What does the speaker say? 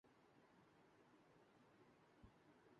بچوں کو کہانیاں سنانا ان کی تعلیم کے لئے مفید ہوتا ہے۔